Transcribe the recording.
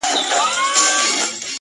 ما خو څو واره ازمويلى كنه”